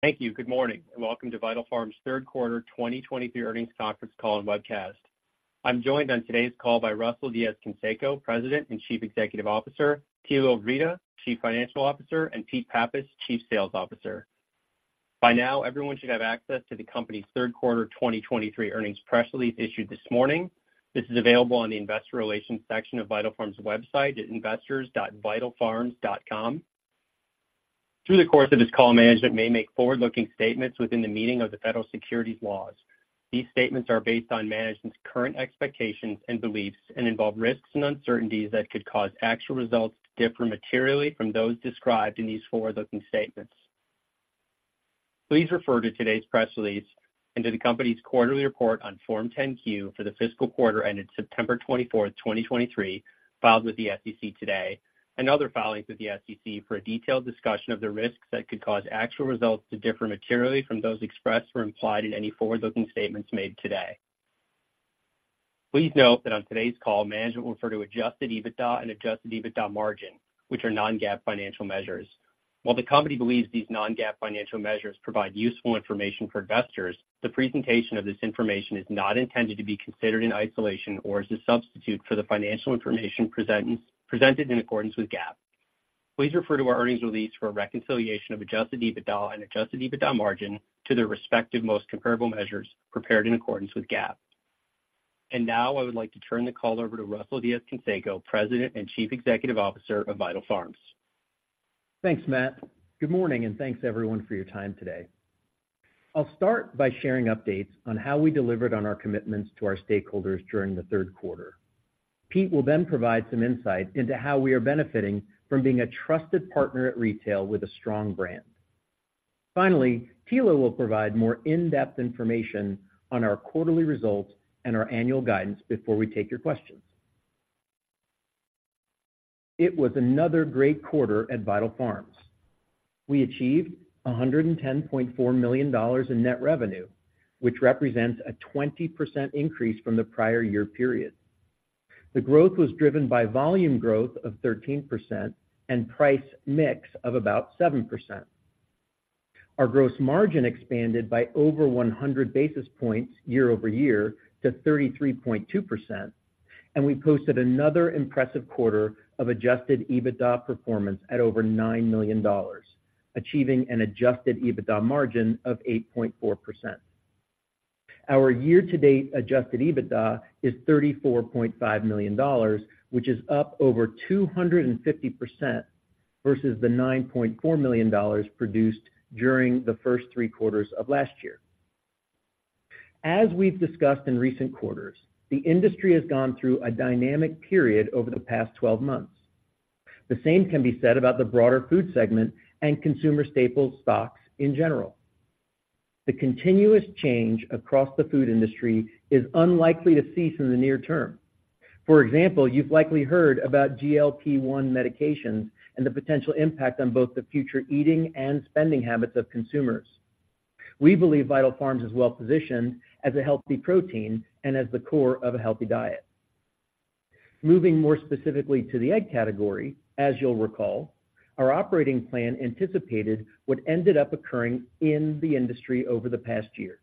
Thank you. Good morning, and welcome to Vital Farms' Third Quarter 2023 Earnings Conference Call and Webcast. I'm joined on today's call by Russell Diez-Canseco, President and Chief Executive Officer, Thilo Wrede, Chief Financial Officer, and Pete Pappas, Chief Sales Officer. By now, everyone should have access to the company's third quarter 2023 earnings press release issued this morning. This is available on the investor relations section of Vital Farms' website at investors.vitalfarms.com. Through the course of this call, management may make forward-looking statements within the meaning of the federal securities laws. These statements are based on management's current expectations and beliefs and involve risks and uncertainties that could cause actual results to differ materially from those described in these forward-looking statements. Please refer to today's press release and to the company's quarterly report on Form 10-Q for the fiscal quarter ended September 24, 2023, filed with the SEC today, and other filings with the SEC for a detailed discussion of the risks that could cause actual results to differ materially from those expressed or implied in any forward-looking statements made today. Please note that on today's call, management will refer to Adjusted EBITDA and adjusted EBITDA margin, which are non-GAAP financial measures. While the company believes these non-GAAP financial measures provide useful information for investors, the presentation of this information is not intended to be considered in isolation or as a substitute for the financial information presented in accordance with GAAP. Please refer to our earnings release for a reconciliation of Adjusted EBITDA and Adjusted EBITDA margin to their respective most comparable measures prepared in accordance with GAAP. And now, I would like to turn the call over to Russell Diez-Canseco, President and Chief Executive Officer of Vital Farms. Thanks, Matt. Good morning, and thanks, everyone, for your time today. I'll start by sharing updates on how we delivered on our commitments to our stakeholders during the third quarter. Pete will then provide some insight into how we are benefiting from being a trusted partner at retail with a strong brand. Finally, Thilo will provide more in-depth information on our quarterly results and our annual guidance before we take your questions. It was another great quarter at Vital Farms. We achieved $110.4 million in net revenue, which represents a 20% increase from the prior year period. The growth was driven by volume growth of 13% and price mix of about 7%. Our gross margin expanded by over 100 basis points year-over-year to 33.2%, and we posted another impressive quarter of Adjusted EBITDA performance at over $9 million, achieving an Adjusted EBITDA margin of 8.4%. Our year-to-date Adjusted EBITDA is $34.5 million, which is up over 250% versus the $9.4 million produced during the first three quarters of last year. As we've discussed in recent quarters, the industry has gone through a dynamic period over the past 12 months. The same can be said about the broader food segment and consumer staples stocks in general. The continuous change across the food industry is unlikely to cease in the near term. For example, you've likely heard about GLP-1 medications and the potential impact on both the future eating and spending habits of consumers. We believe Vital Farms is well-positioned as a healthy protein and as the core of a healthy diet. Moving more specifically to the egg category, as you'll recall, our operating plan anticipated what ended up occurring in the industry over the past year.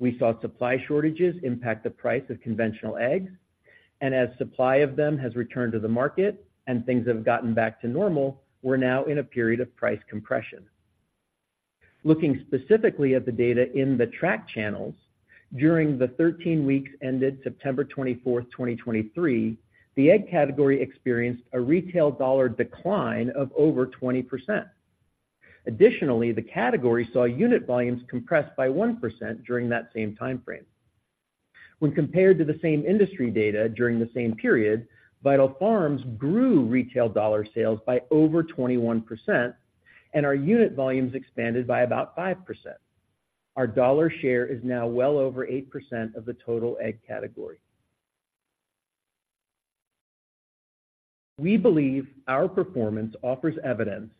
We saw supply shortages impact the price of conventional eggs, and as supply of them has returned to the market and things have gotten back to normal, we're now in a period of price compression. Looking specifically at the data in the tracked channels, during the 13 weeks ended September 24, 2023, the egg category experienced a retail dollar decline of over 20%. Additionally, the category saw unit volumes compressed by 1% during that same timeframe. When compared to the same industry data during the same period, Vital Farms grew retail dollar sales by over 21%, and our unit volumes expanded by about 5%. Our dollar share is now well over 8% of the total egg category. We believe our performance offers evidence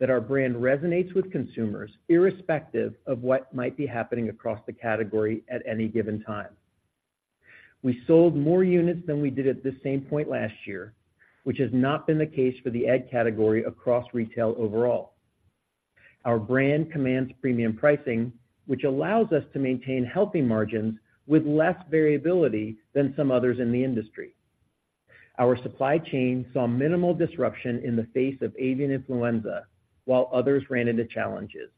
that our brand resonates with consumers, irrespective of what might be happening across the category at any given time. We sold more units than we did at the same point last year, which has not been the case for the egg category across retail overall. Our brand commands premium pricing, which allows us to maintain healthy margins with less variability than some others in the industry. Our supply chain saw minimal disruption in the face of avian influenza, while others ran into challenges,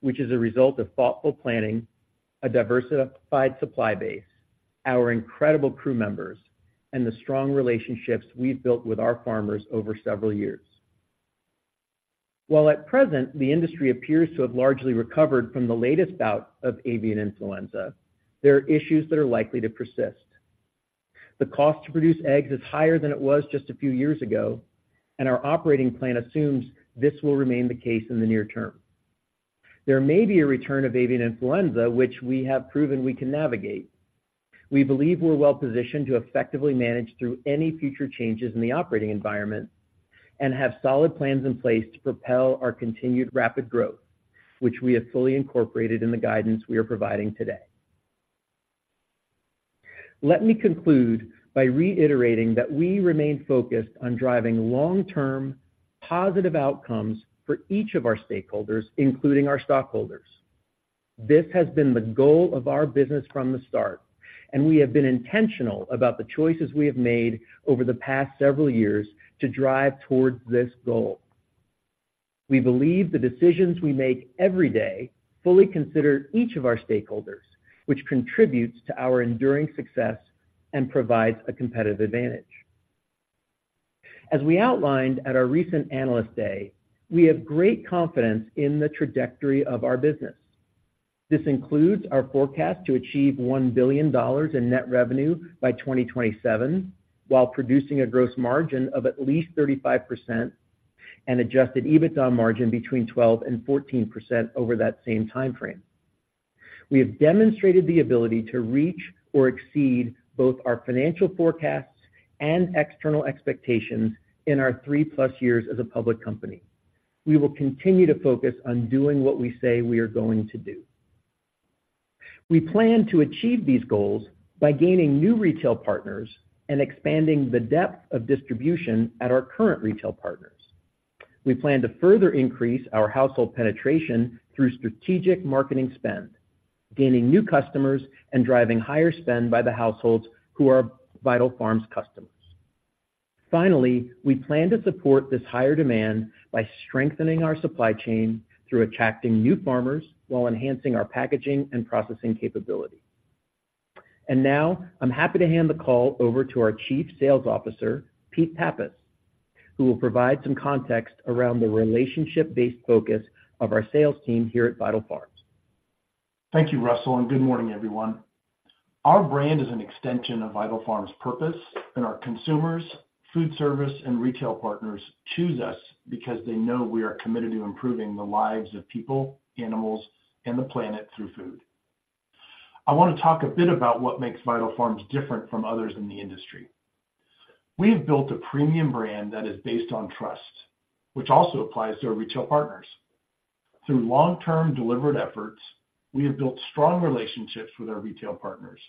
which is a result of thoughtful planning, a diversified supply base, our incredible crew members, and the strong relationships we've built with our farmers over several years. While at present, the industry appears to have largely recovered from the latest bout of avian influenza, there are issues that are likely to persist. The cost to produce eggs is higher than it was just a few years ago, and our operating plan assumes this will remain the case in the near term. There may be a return of avian influenza, which we have proven we can navigate. We believe we're well positioned to effectively manage through any future changes in the operating environment and have solid plans in place to propel our continued rapid growth, which we have fully incorporated in the guidance we are providing today. Let me conclude by reiterating that we remain focused on driving long-term, positive outcomes for each of our stakeholders, including our stockholders. This has been the goal of our business from the start, and we have been intentional about the choices we have made over the past several years to drive towards this goal. We believe the decisions we make every day fully consider each of our stakeholders, which contributes to our enduring success and provides a competitive advantage. As we outlined at our recent Analyst Day, we have great confidence in the trajectory of our business. This includes our forecast to achieve $1 billion in net revenue by 2027, while producing a gross margin of at least 35% and Adjusted EBITDA margin between 12% and 14% over that same time frame. We have demonstrated the ability to reach or exceed both our financial forecasts and external expectations in our 3+ years as a public company. We will continue to focus on doing what we say we are going to do. We plan to achieve these goals by gaining new retail partners and expanding the depth of distribution at our current retail partners. We plan to further increase our household penetration through strategic marketing spend, gaining new customers, and driving higher spend by the households who are Vital Farms customers. Finally, we plan to support this higher demand by strengthening our supply chain through attracting new farmers while enhancing our packaging and processing capability. And now, I'm happy to hand the call over to our Chief Sales Officer, Pete Pappas, who will provide some context around the relationship-based focus of our sales team here at Vital Farms. Thank you, Russell, and good morning, everyone. Our brand is an extension of Vital Farms' purpose, and our consumers, food service, and retail partners choose us because they know we are committed to improving the lives of people, animals, and the planet through food. I want to talk a bit about what makes Vital Farms different from others in the industry. We have built a premium brand that is based on trust, which also applies to our retail partners. Through long-term delivered efforts, we have built strong relationships with our retail partners.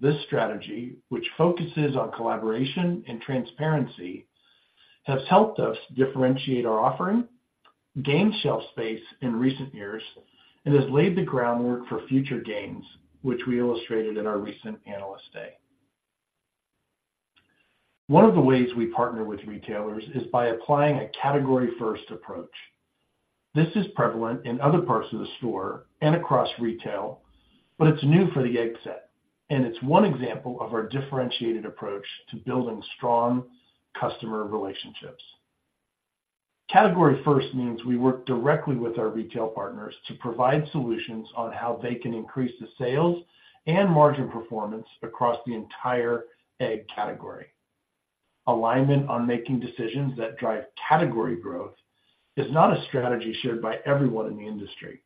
This strategy, which focuses on collaboration and transparency, has helped us differentiate our offering, gain shelf space in recent years, and has laid the groundwork for future gains, which we illustrated at our recent Analyst Day. One of the ways we partner with retailers is by applying a category-first approach. This is prevalent in other parts of the store and across retail, but it's new for the egg set, and it's one example of our differentiated approach to building strong customer relationships. Category first means we work directly with our retail partners to provide solutions on how they can increase the sales and margin performance across the entire egg category. Alignment on making decisions that drive category growth is not a strategy shared by everyone in the industry.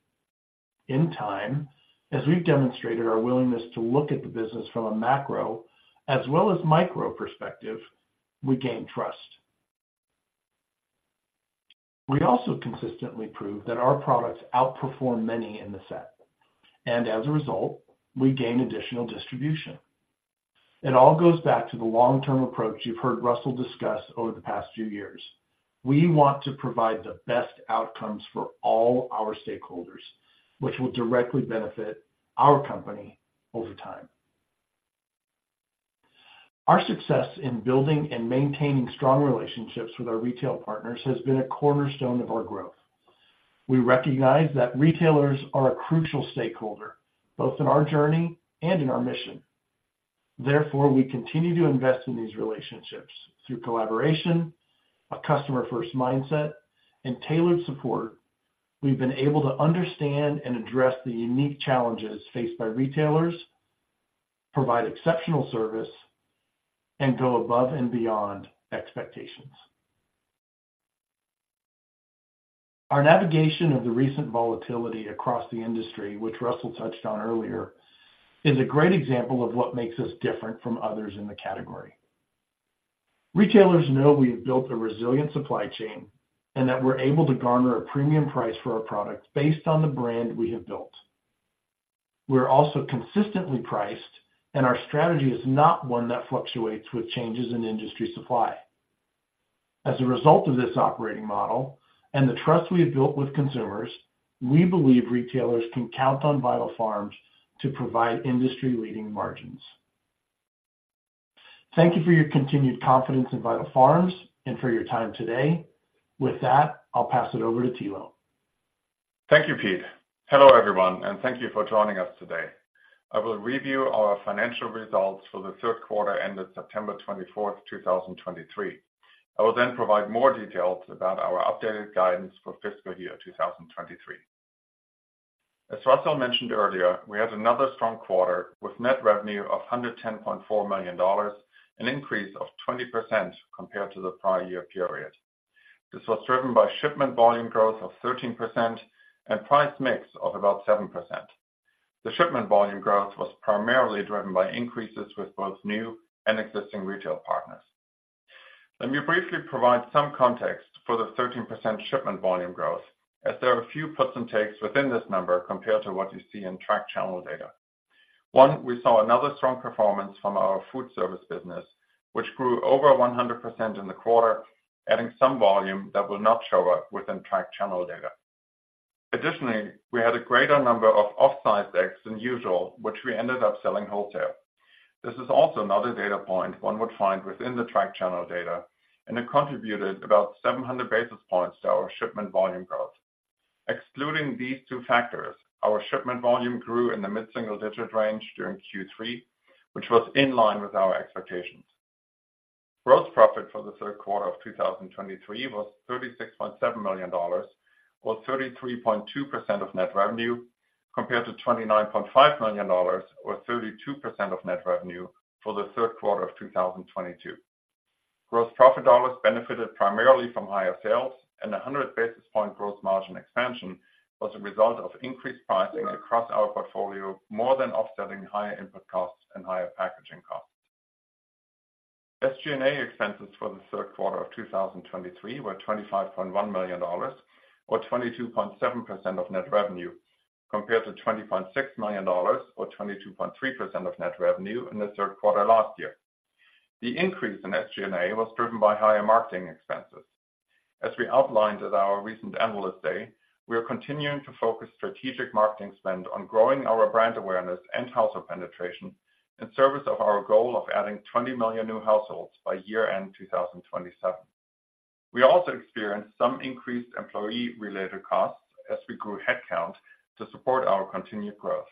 In time, as we've demonstrated our willingness to look at the business from a macro as well as micro perspective, we gain trust. We also consistently prove that our products outperform many in the set, and as a result, we gain additional distribution. It all goes back to the long-term approach you've heard Russell discuss over the past few years. We want to provide the best outcomes for all our stakeholders, which will directly benefit our company over time. Our success in building and maintaining strong relationships with our retail partners has been a cornerstone of our growth. We recognize that retailers are a crucial stakeholder, both in our journey and in our mission. Therefore, we continue to invest in these relationships. Through collaboration, a customer-first mindset, and tailored support, we've been able to understand and address the unique challenges faced by retailers, provide exceptional service, and go above and beyond expectations. Our navigation of the recent volatility across the industry, which Russell touched on earlier, is a great example of what makes us different from others in the category. Retailers know we have built a resilient supply chain and that we're able to garner a premium price for our products based on the brand we have built. We're also consistently priced, and our strategy is not one that fluctuates with changes in industry supply. As a result of this operating model and the trust we have built with consumers, we believe retailers can count on Vital Farms to provide industry-leading margins. Thank you for your continued confidence in Vital Farms and for your time today. With that, I'll pass it over to Thilo. Thank you, Pete. Hello, everyone, and thank you for joining us today. I will review our financial results for the third quarter ended September 24, 2023. I will then provide more details about our updated guidance for fiscal year 2023. As Russell mentioned earlier, we had another strong quarter with net revenue of $110.4 million, an increase of 20% compared to the prior year period. This was driven by shipment volume growth of 13% and price mix of about 7%. The shipment volume growth was primarily driven by increases with both new and existing retail partners.... Let me briefly provide some context for the 13% shipment volume growth, as there are a few puts and takes within this number compared to what you see in tracked channel data. One, we saw another strong performance from our food service business, which grew over 100% in the quarter, adding some volume that will not show up within tracked channel data. Additionally, we had a greater number of off-site eggs than usual, which we ended up selling wholesale. This is also another data point one would find within the tracked channel data, and it contributed about 700 basis points to our shipment volume growth. Excluding these two factors, our shipment volume grew in the mid-single-digit range during third quarter, which was in line with our expectations. Gross profit for the third quarter of 2023 was $36.7 million, or 33.2% of net revenue, compared to $29.5 million, or 32% of net revenue for the third quarter of 2022. Gross profit dollars benefited primarily from higher sales and a 100 basis point gross margin expansion, which was a result of increased pricing across our portfolio, more than offsetting higher input costs and higher packaging costs. SG&A expenses for the third quarter of 2023 were $25.1 million, or 22.7% of net revenue, compared to $20.6 million or 22.3% of net revenue in the third quarter last year. The increase in SG&A was driven by higher marketing expenses. As we outlined at our recent Analyst Day, we are continuing to focus strategic marketing spend on growing our brand awareness and household penetration in service of our goal of adding 20 million new households by year-end 2027. We also experienced some increased employee-related costs as we grew headcount to support our continued growth.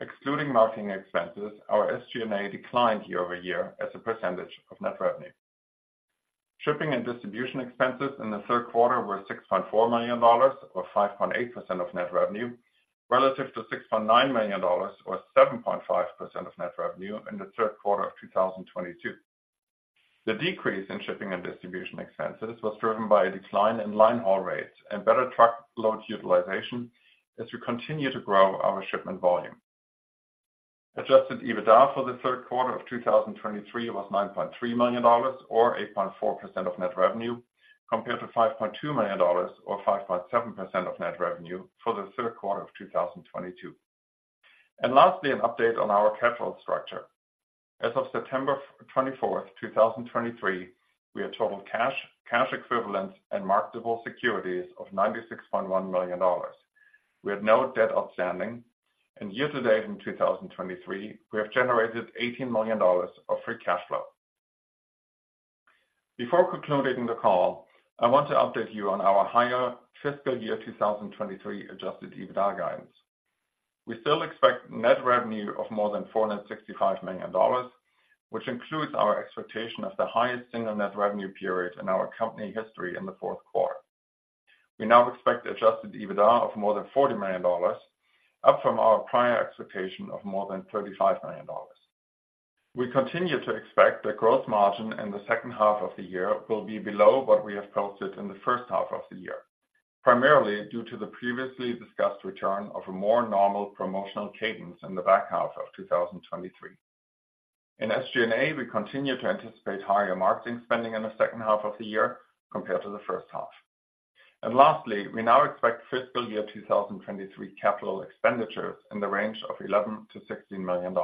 Excluding marketing expenses, our SG&A declined year over year as a percentage of net revenue. Shipping and distribution expenses in the third quarter were $6.4 million, or 5.8% of net revenue, relative to $6.9 million, or 7.5% of net revenue in the third quarter of 2022. The decrease in shipping and distribution expenses was driven by a decline in line haul rates and better truckload utilization as we continue to grow our shipment volume. Adjusted EBITDA for the third quarter of 2023 was $9.3 million, or 8.4% of net revenue, compared to $5.2 million, or 5.7% of net revenue for the third quarter of 2022. And lastly, an update on our capital structure. As of September 24th, 2023, we had total cash, cash equivalents, and marketable securities of $96.1 million. We had no debt outstanding, and year to date, in 2023, we have generated $18 million of free cash flow. Before concluding the call, I want to update you on our higher fiscal year 2023 Adjusted EBITDA guidance. We still expect net revenue of more than $465 million, which includes our expectation of the highest single net revenue period in our company history in the fourth quarter. We now expect Adjusted EBITDA of more than $40 million, up from our prior expectation of more than $35 million. We continue to expect the gross margin in the second half of the year will be below what we have posted in the first half of the year, primarily due to the previously discussed return of a more normal promotional cadence in the back half of 2023. In SG&A, we continue to anticipate higher marketing spending in the second half of the year compared to the first half. And lastly, we now expect fiscal year 2023 capital expenditures in the range of $11 million-$16 million.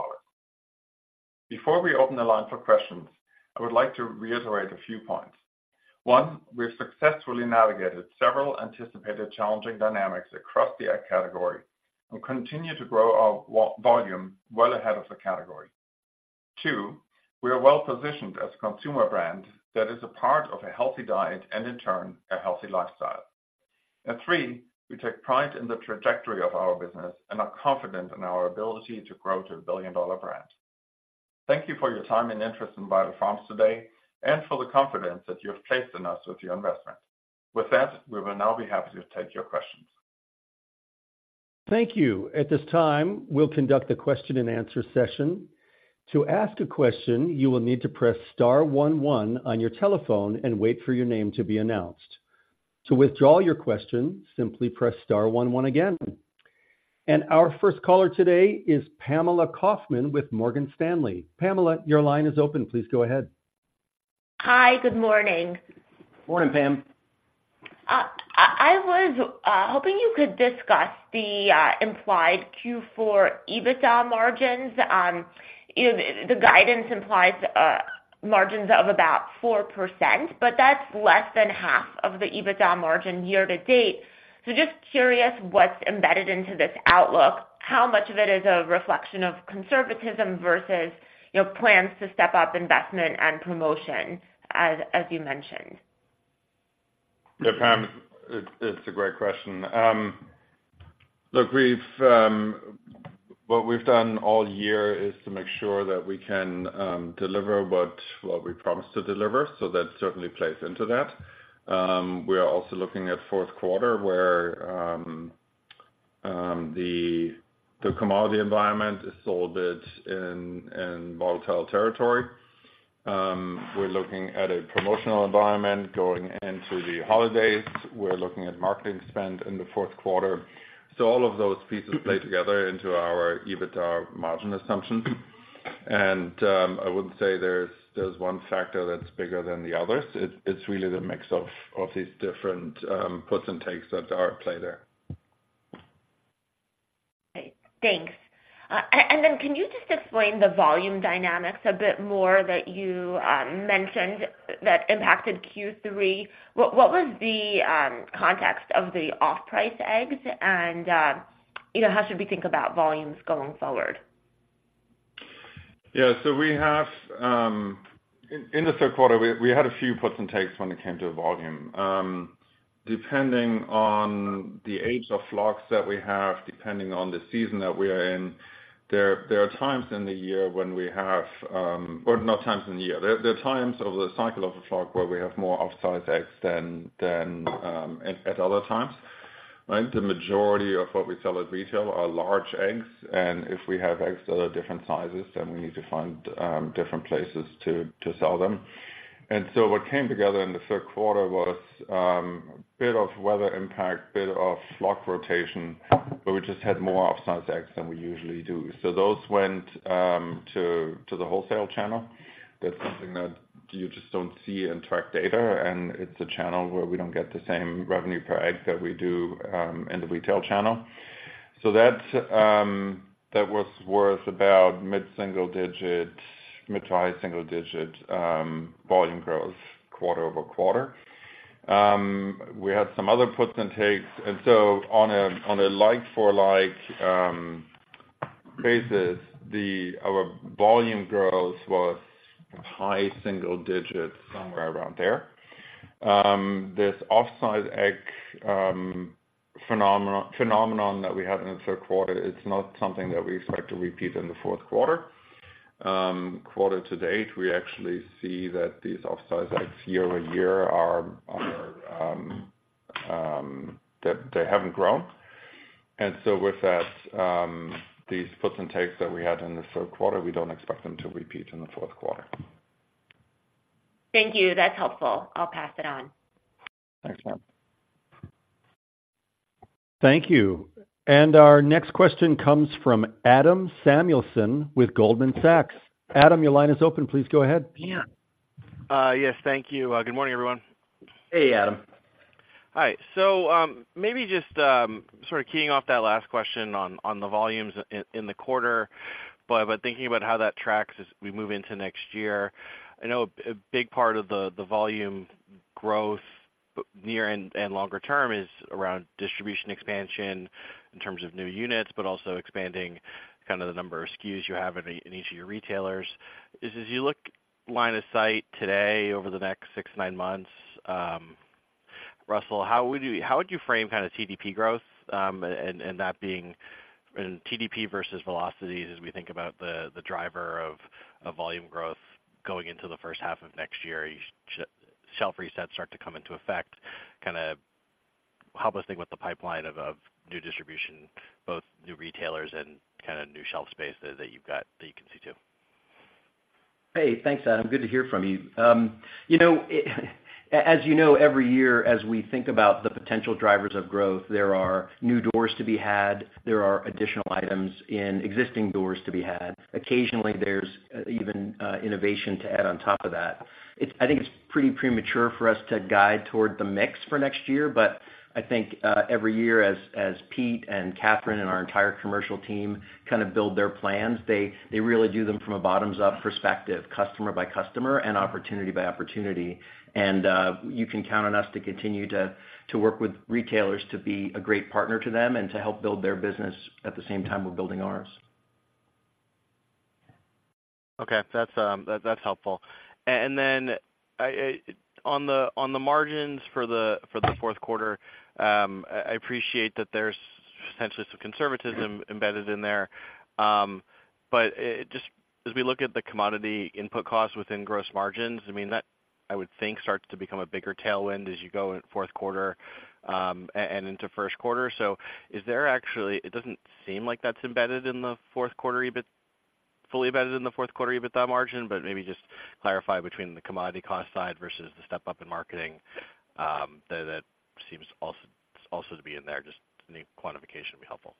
Before we open the line for questions, I would like to reiterate a few points. One, we've successfully navigated several anticipated challenging dynamics across the egg category and continue to grow our volume well ahead of the category. Two, we are well positioned as a consumer brand that is a part of a healthy diet and in turn, a healthy lifestyle. Three, we take pride in the trajectory of our business and are confident in our ability to grow to a billion-dollar brand. Thank you for your time and interest in Vital Farms today, and for the confidence that you have placed in us with your investment. With that, we will now be happy to take your questions. Thank you. At this time, we'll conduct a question-and-answer session. To ask a question, you will need to press star one, one on your telephone and wait for your name to be announced. To withdraw your question, simply press star one, one again. Our first caller today is Pamela Kaufman with Morgan Stanley. Pamela, your line is open. Please go ahead. Hi, good morning. Morning, Pam. I was hoping you could discuss the implied Q4 EBITDA margins. The guidance implies margins of about 4%, but that's less than half of the EBITDA margin year to date. So just curious what's embedded into this outlook, how much of it is a reflection of conservatism versus, you know, plans to step up investment and promotion, as you mentioned? Yeah, Pam, it's a great question. Look, what we've done all year is to make sure that we can deliver what we promised to deliver, so that certainly plays into that. We are also looking at fourth quarter, where the commodity environment is still a bit in volatile territory. We're looking at a promotional environment going into the holidays. We're looking at marketing spend in the fourth quarter. So all of those pieces play together into our EBITDA margin assumptions. And I wouldn't say there's one factor that's bigger than the others. It's really the mix of these different puts and takes that are at play there. Okay, thanks. And then can you just explain the volume dynamics a bit more that you mentioned that impacted Q3 What, what was the context of the off-price eggs? And, you know, how should we think about volumes going forward? Yeah, so we have--in the third quarter, we had a few puts and takes when it came to volume. Depending on the age of flocks that we have, depending on the season that we are in, there are times over the cycle of a flock where we have more off-size Eggs than at other times, right? The majority of what we sell at retail are large eggs, and if we have eggs that are different sizes, then we need to find different places to sell them. And so what came together in the third quarter was a bit of weather impact, bit of flock rotation, but we just had more off-size eggs than we usually do. So those went to the wholesale channel. That's something that you just don't see in track data, and it's a channel where we don't get the same revenue per egg that we do in the retail channel. So that's, that was worth about mid-single digit, mid-to-high single-digit volume growth, quarter-over-quarter. We had some other puts and takes, and so on a like-for-like basis, the—our volume growth was high single digits, somewhere around there. This off-size egg phenomenon that we had in the third quarter, it's not something that we expect to repeat in the fourth quarter. Quarter to date, we actually see that these off-size eggs year-over-year are that they haven't grown. And so with that, these puts and takes that we had in the third quarter, we don't expect them to repeat in the fourth quarter. Thank you. That's helpful. I'll pass it on. Thanks, ma'am. Thank you. And our next question comes from Adam Samuelson with Goldman Sachs. Adam, your line is open. Please go ahead. Yeah. Yes, thank you. Good morning, everyone. Hey, Adam. Hi. So, maybe just sort of keying off that last question on the volumes in the quarter, but thinking about how that tracks as we move into next year, I know a big part of the volume growth near and longer term is around distribution expansion in terms of new units, but also expanding kind of the number of SKUs you have in each of your retailers. As you look line of sight today over the next 6, 9 months, Russell, how would you frame kind of TDP growth, and that being, and TDP versus velocities as we think about the driver of volume growth going into the first half of next year, shelf resets start to come into effect? Kind of how we think with the pipeline of new distribution, both new retailers and kind of new shelf space that you've got that you can see to. Hey, thanks, Adam. Good to hear from you. You know, as you know, every year as we think about the potential drivers of growth, there are new doors to be had, there are additional items in existing doors to be had. Occasionally, there's even innovation to add on top of that. I think it's pretty premature for us to guide toward the mix for next year, but I think every year, as Pete and Catherine and our entire commercial team kind of build their plans, they really do them from a bottoms up perspective, customer by customer and opportunity by opportunity. You can count on us to continue to work with retailers to be a great partner to them and to help build their business at the same time we're building ours. Okay. That's helpful. And then, on the margins for the fourth quarter, I appreciate that there's potentially some conservatism embedded in there. But just as we look at the commodity input costs within gross margins, I mean, that I would think starts to become a bigger tailwind as you go in the fourth quarter and into first quarter. So is there actually... It doesn't seem like that's embedded in the fourth quarter EBITDA, fully embedded in the fourth quarter EBITDA margin, but maybe just clarify between the commodity cost side versus the step up in marketing, that that seems also to be in there. Just any quantification would be helpful.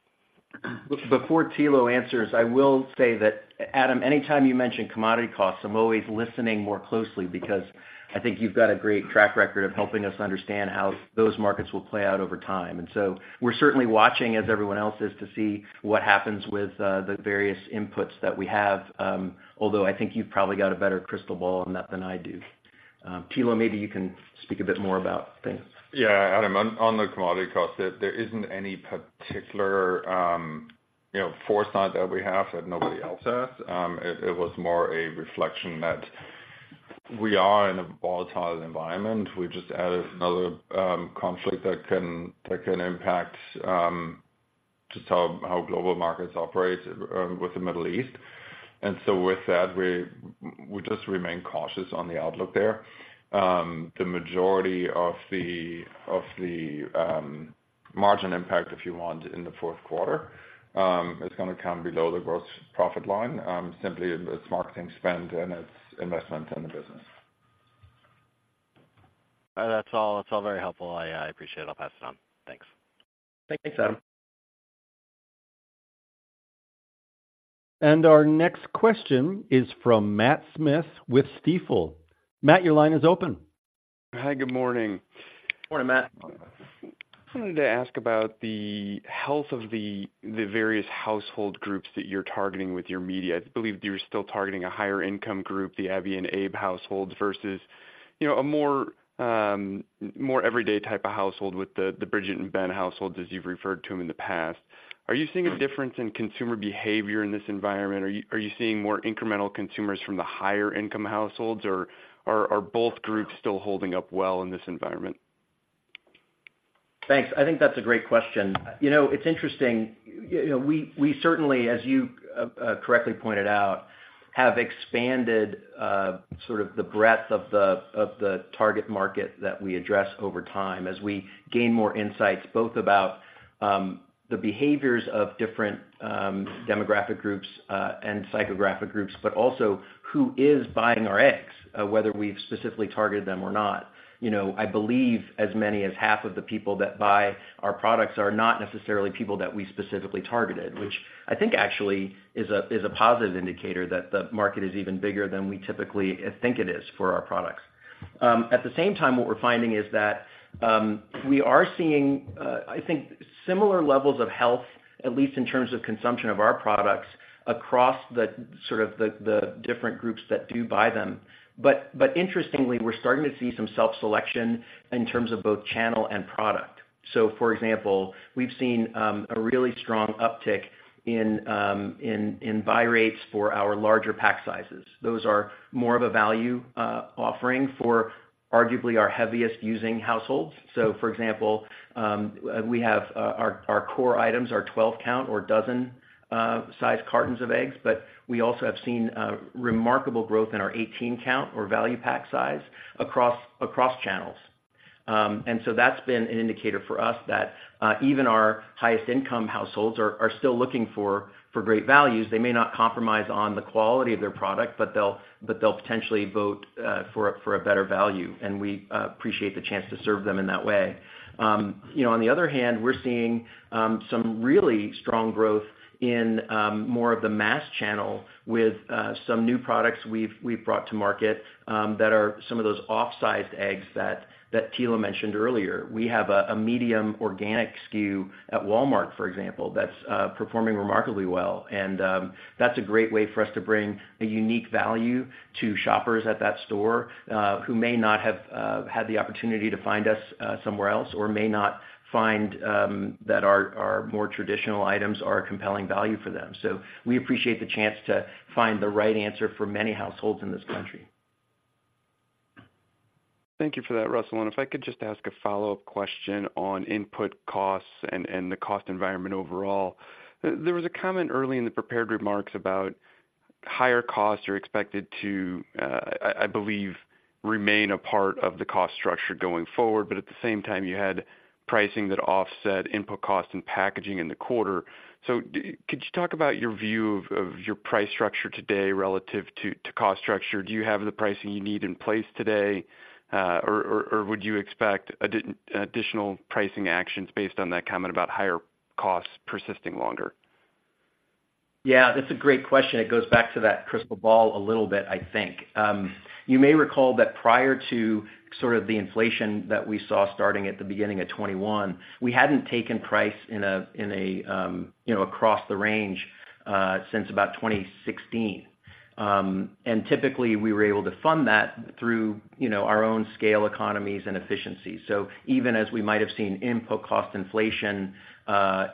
Before Thilo answers, I will say that, Adam, anytime you mention commodity costs, I'm always listening more closely, because I think you've got a great track record of helping us understand how those markets will play out over time. And so we're certainly watching, as everyone else is, to see what happens with the various inputs that we have, although I think you've probably got a better crystal ball on that than I do. Thilo, maybe you can speak a bit more about things. Yeah, Adam, on the commodity costs, there isn't any particular, you know, foresight that we have that nobody else has. It was more a reflection that we are in a volatile environment. We just added another conflict that can impact just how global markets operate with the Middle East. And so with that, we just remain cautious on the outlook there. The majority of the margin impact, if you want, in the fourth quarter is gonna come below the gross profit line, simply it's marketing spend and it's investment in the business.... That's all, that's all very helpful. I appreciate it. I'll pass it on. Thanks. Thank you, sir. Our next question is from Matt Smith with Stifel. Matt, your line is open. Hi, good morning. Morning, Matt. I wanted to ask about the health of the various household groups that you're targeting with your media. I believe you're still targeting a higher income group, the Abby and Abe households, versus, you know, a more more everyday type of household with the Bridget and Ben households, as you've referred to them in the past. Are you seeing a difference in consumer behavior in this environment? Are you seeing more incremental consumers from the higher income households, or are both groups still holding up well in this environment? Thanks. I think that's a great question. You know, it's interesting, you know, we certainly, as you correctly pointed out, have expanded sort of the breadth of the target market that we address over time as we gain more insights, both about the behaviors of different demographic groups and psychographic groups, but also who is buying our eggs, whether we've specifically targeted them or not. You know, I believe as many as half of the people that buy our products are not necessarily people that we specifically targeted, which I think actually is a positive indicator that the market is even bigger than we typically think it is for our products. At the same time, what we're finding is that we are seeing, I think, similar levels of health, at least in terms of consumption of our products, across the different groups that do buy them. But interestingly, we're starting to see some self-selection in terms of both channel and product. So for example, we've seen a really strong uptick in buy rates for our larger pack sizes. Those are more of a value offering for arguably our heaviest using households. So for example, we have our core items are 12-count or dozen size cartons of eggs, but we also have seen remarkable growth in our 18-count or value pack size across channels. And so that's been an indicator for us that even our highest income households are still looking for great values. They may not compromise on the quality of their product, but they'll potentially vote for a better value, and we appreciate the chance to serve them in that way. You know, on the other hand, we're seeing some really strong growth in more of the mass channel with some new products we've brought to market that are some of those off-sized eggs that Thilo mentioned earlier. We have a medium organic SKU at Walmart, for example, that's performing remarkably well. That's a great way for us to bring a unique value to shoppers at that store, who may not have had the opportunity to find us somewhere else, or may not find that our more traditional items are a compelling value for them. We appreciate the chance to find the right answer for many households in this country. Thank you for that, Russell. If I could just ask a follow-up question on input costs and the cost environment overall. There was a comment early in the prepared remarks about higher costs are expected to, I believe, remain a part of the cost structure going forward, but at the same time, you had pricing that offset input costs and packaging in the quarter. So could you talk about your view of your price structure today relative to cost structure? Do you have the pricing you need in place today? Or would you expect additional pricing actions based on that comment about higher costs persisting longer? Yeah, that's a great question. It goes back to that crystal ball a little bit, I think. You may recall that prior to sort of the inflation that we saw starting at the beginning of 2021, we hadn't taken price in a, in a, you know, across the range, since about 2016. And typically, we were able to fund that through, you know, our own scale, economies and efficiencies. So even as we might have seen input cost inflation,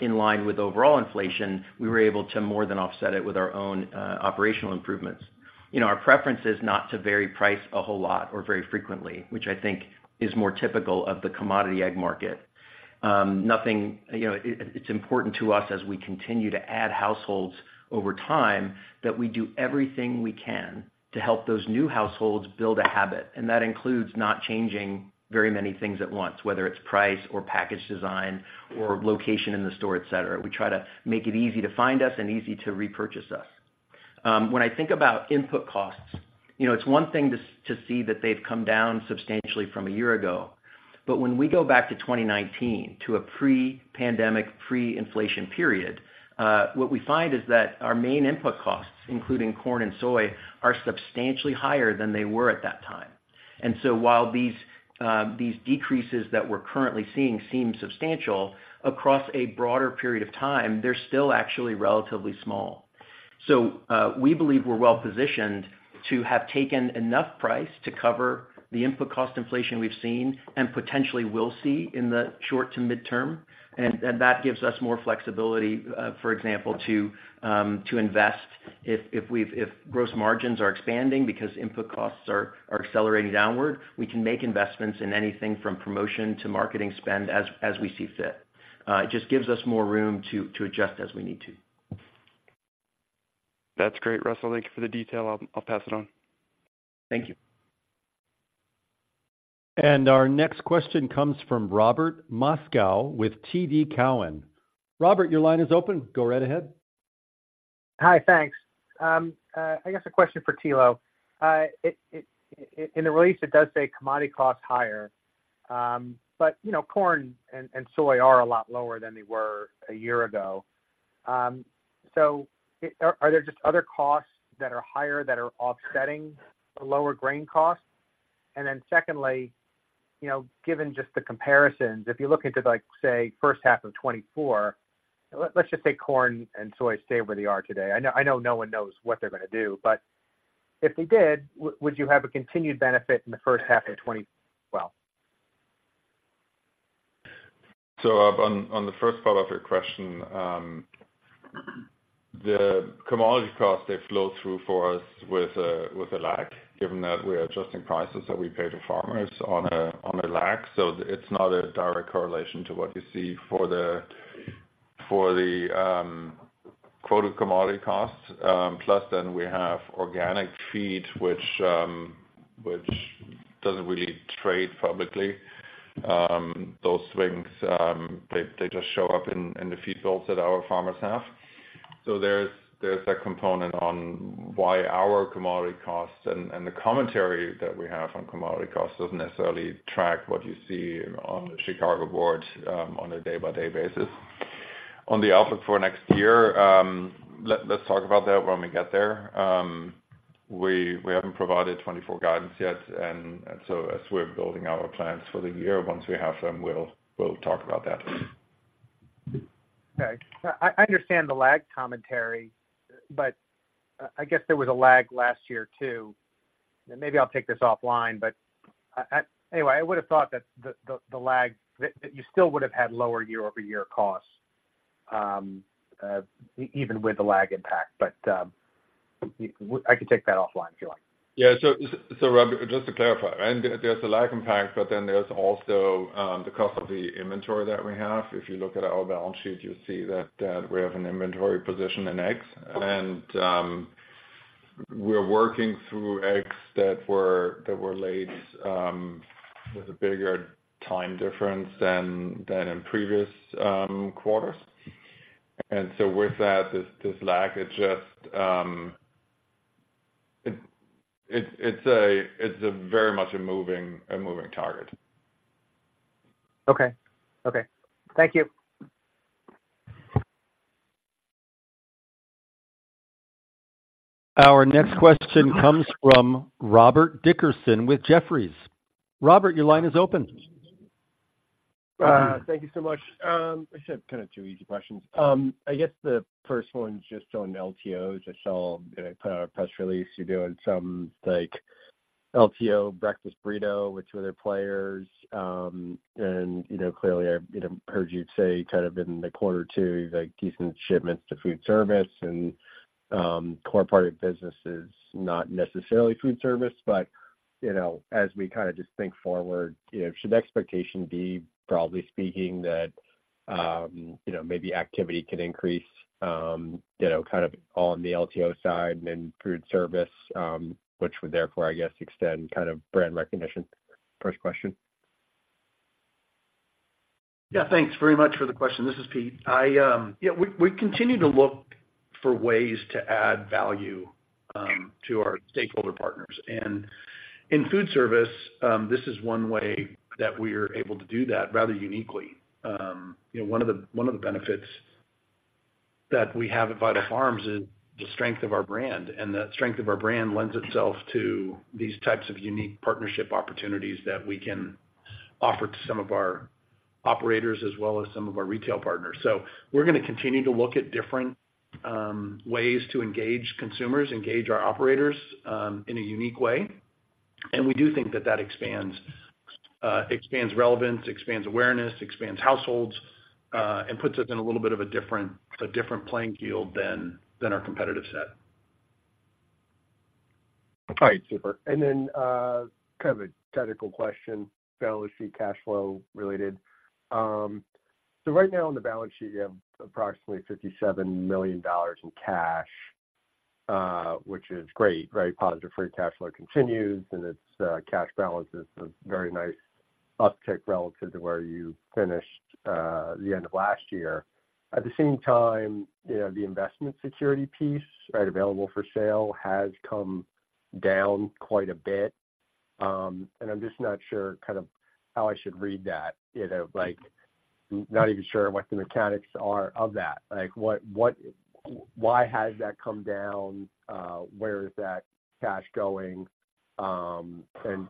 in line with overall inflation, we were able to more than offset it with our own, operational improvements. You know, our preference is not to vary price a whole lot or very frequently, which I think is more typical of the commodity egg market. Nothing... You know, it's important to us as we continue to add households over time, that we do everything we can to help those new households build a habit, and that includes not changing very many things at once, whether it's price or package design or location in the store, et cetera. We try to make it easy to find us and easy to repurchase us. When I think about input costs, you know, it's one thing to see that they've come down substantially from a year ago, but when we go back to 2019, to a pre-pandemic, pre-inflation period, what we find is that our main input costs, including corn and soy, are substantially higher than they were at that time. So while these, these decreases that we're currently seeing seem substantial, across a broader period of time, they're still actually relatively small. So, we believe we're well positioned to have taken enough price to cover the input cost inflation we've seen and potentially will see in the short to midterm, and that gives us more flexibility, for example, to, to invest. If, if gross margins are expanding because input costs are accelerating downward, we can make investments in anything from promotion to marketing spend as we see fit. It just gives us more room to, to adjust as we need to. That's great, Russell. Thank you for the detail. I'll pass it on. Thank you. Our next question comes from Robert Moskow with TD Cowen. Robert, your line is open. Go right ahead.... Hi, thanks. I guess a question for Thilo. In the release, it does say commodity costs higher, but, you know, corn and soy are a lot lower than they were a year ago. So are there just other costs that are higher that are offsetting the lower grain costs? And then secondly, you know, given just the comparisons, if you look into like, say, first half of 2024, let's just say corn and soy stay where they are today. I know no one knows what they're gonna do, but if they did, would you have a continued benefit in the first half of 2024? So, on the first part of your question, the commodity costs they flow through for us with a lag, given that we are adjusting prices that we pay to farmers on a lag. So it's not a direct correlation to what you see for the quoted commodity costs. Plus, then we have organic feed, which doesn't really trade publicly. Those swings, they just show up in the feed bills that our farmers have. So there's a component on why our commodity costs and the commentary that we have on commodity costs doesn't necessarily track what you see on the Chicago Board on a day-by-day basis. On the output for next year, let's talk about that when we get there. We haven't provided 2024 guidance yet, and so as we're building our plans for the year, once we have them, we'll talk about that. Okay. I understand the lag commentary, but I guess there was a lag last year, too. And maybe I'll take this offline, but anyway, I would have thought that the lag that you still would have had lower year-over-year costs, even with the lag impact. But I can take that offline if you like. Yeah. So, Rob, just to clarify, right, there's a lag impact, but then there's also the cost of the inventory that we have. If you look at our balance sheet, you see that we have an inventory position in X. And we're working through X that were laid with a bigger time difference than in previous quarters. And so with that, this lag, it just, it's a very much a moving target. Okay. Okay. Thank you. Our next question comes from Robert Dickerson with Jefferies. Robert, your line is open. Thank you so much. I just have kind of two easy questions. I guess the first one's just on LTO. Just saw, you know, put out a press release. You're doing some, like, LTO breakfast burrito with two other players, and, you know, clearly, I, you know, heard you say kind of in the quarter two, like, decent shipments to food service and core part of business is not necessarily food service. But, you know, as we kind of just think forward, you know, should expectation be, broadly speaking, that, you know, maybe activity could increase, you know, kind of on the LTO side and food service, which would therefore, I guess, extend kind of brand recognition? First question. Yeah, thanks very much for the question. This is Pete. I... Yeah, we continue to look for ways to add value to our stakeholder partners. And in food service, this is one way that we are able to do that rather uniquely. You know, one of the benefits that we have at Vital Farms is the strength of our brand, and the strength of our brand lends itself to these types of unique partnership opportunities that we can offer to some of our operators, as well as some of our retail partners. So we're gonna continue to look at different ways to engage consumers, engage our operators, in a unique way. We do think that expands relevance, expands awareness, expands households, and puts us in a little bit of a different playing field than our competitive set. All right, super. And then, kind of a technical question, balance sheet, cash flow related. So right now on the balance sheet, you have approximately $57 million in cash, which is great, right? Positive free cash flow continues, and its cash balance is a very nice uptick relative to where you finished the end of last year. At the same time, you know, the investment security piece, right, available for sale, has come down quite a bit. And I'm just not sure kind of how I should read that. You know, like, not even sure what the mechanics are of that. Like, what, why has that come down? Where is that cash going?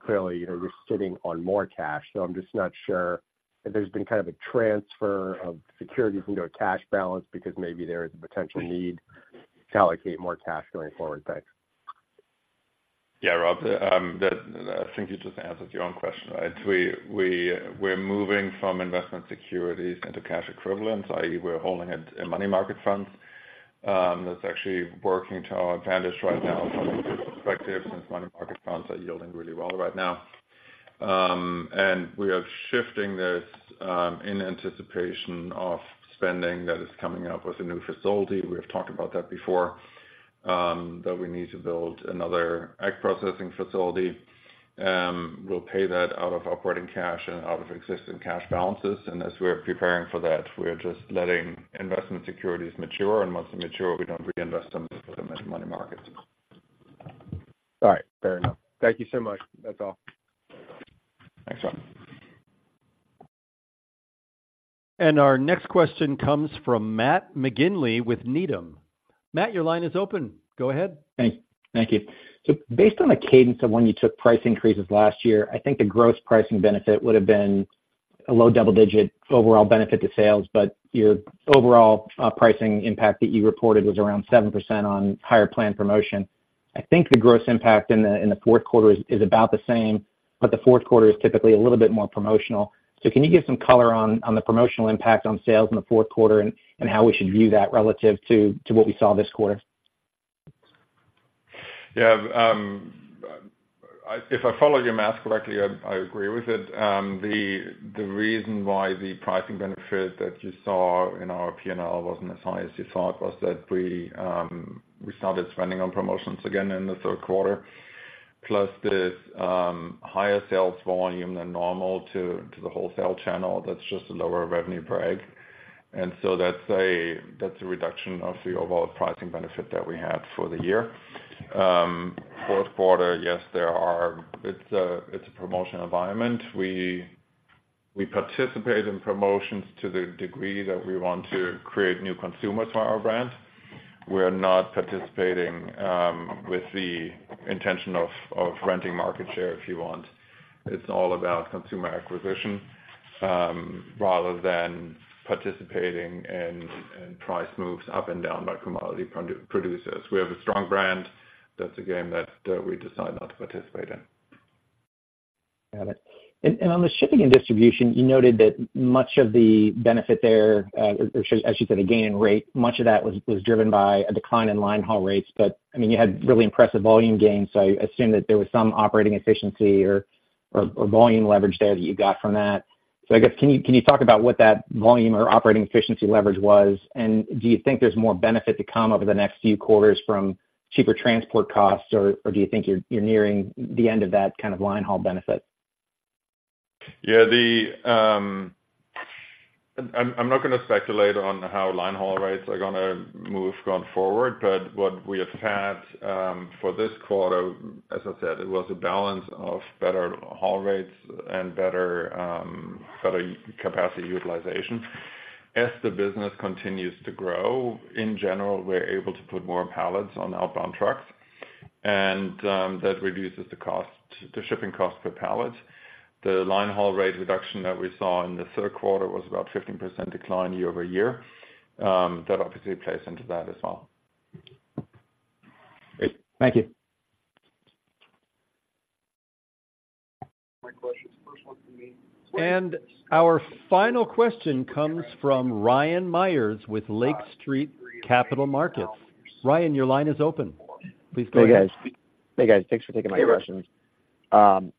Clearly, you know, you're sitting on more cash, so I'm just not sure if there's been kind of a transfer of securities into a cash balance, because maybe there is a potential need to allocate more cash going forward. Thanks. Yeah, Rob, that, I think you just answered your own question, right? We're moving from investment securities into cash equivalents, i.e., we're holding it in money market funds. That's actually working to our advantage right now from a perspective, since money market funds are yielding really well right now. And we are shifting this in anticipation of spending that is coming up with a new facility. We have talked about that before... that we need to build another egg processing facility, we'll pay that out of operating cash and out of existing cash balances. And as we're preparing for that, we're just letting investment securities mature, and once they mature, we don't reinvest them in the money markets. All right, fair enough. Thank you so much. That's all. Thanks, Rob. Our next question comes from Matt McGinley with Needham. Matt, your line is open. Go ahead. Thanks. Thank you. So based on the cadence of when you took price increases last year, I think the gross pricing benefit would have been a low double digit overall benefit to sales, but your overall pricing impact that you reported was around 7% on higher planned promotion. I think the gross impact in the, in the fourth quarter is about the same, but the fourth quarter is typically a little bit more promotional. So can you give some color on the promotional impact on sales in the fourth quarter and how we should view that relative to what we saw this quarter? Yeah, if I followed you, Matt, correctly, I agree with it. The reason why the pricing benefit that you saw in our P&L wasn't as high as you thought was that we started spending on promotions again in the third quarter, plus this higher sales volume than normal to the wholesale channel, that's a reduction of the overall pricing benefit that we had for the year. Fourth quarter, yes, it's a promotional environment. We participate in promotions to the degree that we want to create new consumers for our brand. We're not participating with the intention of renting market share, if you want. It's all about consumer acquisition, rather than participating in price moves up and down by commodity producers. We have a strong brand. That's a game that we decide not to participate in. Got it. On the shipping and distribution, you noted that much of the benefit there, or as you said, a gain in rate, much of that was driven by a decline in line haul rates. But I mean, you had really impressive volume gains, so I assume that there was some operating efficiency or volume leverage there that you got from that. So I guess, can you talk about what that volume or operating efficiency leverage was? And do you think there's more benefit to come over the next few quarters from cheaper transport costs, or do you think you're nearing the end of that kind of line haul benefit? Yeah, the... I'm not gonna speculate on how line haul rates are gonna move going forward, but what we have had for this quarter, as I said, it was a balance of better haul rates and better better capacity utilization. As the business continues to grow, in general, we're able to put more pallets on outbound trucks, and that reduces the cost, the shipping cost per pallet. The line haul rate reduction that we saw in the third quarter was about 15% decline year-over-year. That obviously plays into that as well. Great. Thank you. Our final question comes from Ryan Myers with Lake Street Capital Markets. Ryan, your line is open. Please go ahead. Hey, guys. Hey, guys, thanks for taking my questions.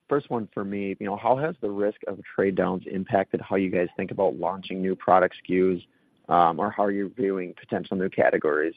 First one for me, you know, how has the risk of trade downs impacted how you guys think about launching new product SKUs, or how are you viewing potential new categories?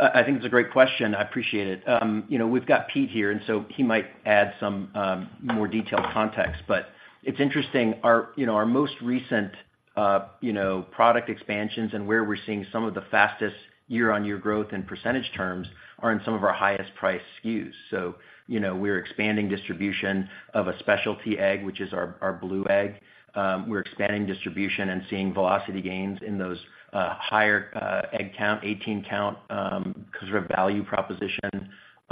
I think it's a great question. I appreciate it. You know, we've got Pete here, and so he might add some more detailed context. But it's interesting, our, you know, our most recent product expansions and where we're seeing some of the fastest year-on-year growth in percentage terms are in some of our highest priced SKUs. So, you know, we're expanding distribution of a specialty egg, which is our blue egg. We're expanding distribution and seeing velocity gains in those higher egg count, 18-count 'cause of our value proposition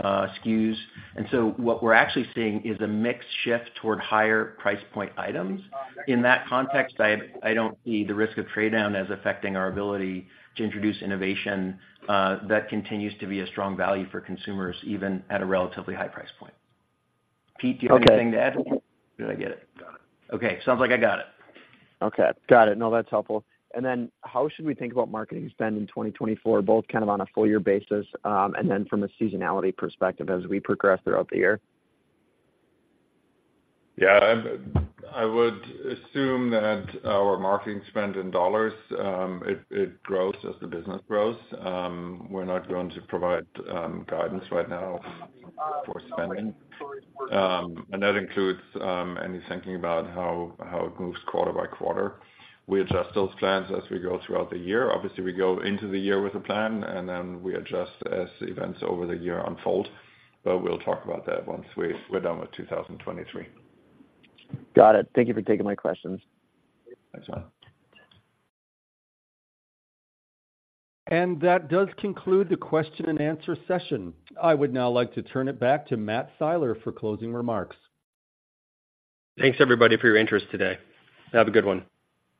SKUs. And so what we're actually seeing is a mix shift toward higher price point items. In that context, I don't see the risk of trade down as affecting our ability to introduce innovation that continues to be a strong value for consumers, even at a relatively high price point. Pete, do you have anything to add? Okay. Did I get it? Got it. Okay, sounds like I got it. Okay, got it. No, that's helpful. Then how should we think about marketing spend in 2024, both kind of on a full year basis, and then from a seasonality perspective as we progress throughout the year? Yeah, I would assume that our marketing spend in dollars, it grows as the business grows. We're not going to provide guidance right now for spending. That includes any thinking about how it moves quarter-by-quarter. We adjust those plans as we go throughout the year. Obviously, we go into the year with a plan, and then we adjust as events over the year unfold, but we'll talk about that once we're done with 2023. Got it. Thank you for taking my questions. Thanks, Ryan. That does conclude the question-and-answer session. I would now like to turn it back to Matt Siler for closing remarks. Thanks, everybody, for your interest today. Have a good one.